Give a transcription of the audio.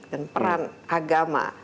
dan perang agama